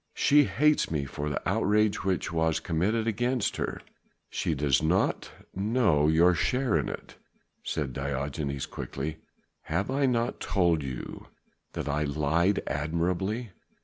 She hates me for the outrage which was committed against her." "She does not know your share in it," said Diogenes quickly, "have I not told you that I lied admirably?